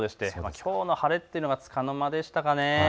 きょうの晴れというのはつかの間でしたね。